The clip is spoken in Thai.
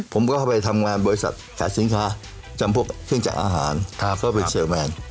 ผมก็เข้าไปทำงานบริษัทขายสินค้าจำพวกเครื่องจักรอาหารก็ไปเซอร์แมน